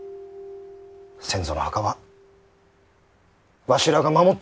先祖の墓はわしらが守っちゃるき。